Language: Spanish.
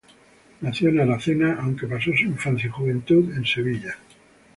Nació en Aracena, aunque pasó su infancia y juventud en Sevilla.